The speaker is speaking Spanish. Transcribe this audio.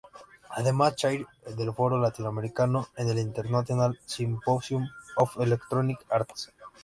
Es además Chair del Foro Latinoamericano en el International Symposium of Electronic Arts.